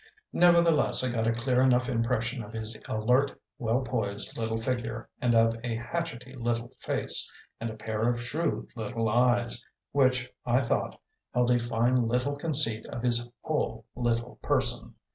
Nevertheless, I got a clear enough impression of his alert, well poised little figure, and of a hatchety little face, and a pair of shrewd little eyes, which (I thought) held a fine little conceit of his whole little person.